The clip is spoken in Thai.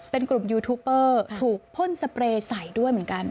เป็นกลุ่มยูทูปเปอร์ถูกพ่นสเปรย์ใส่ด้วยเหมือนกัน